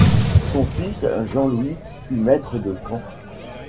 Son fils Jean-Louis fut maître de camp.